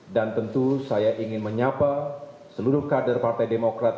dan tentu saya ingin menyapa seluruh kader partai demokrat